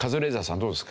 どうですか？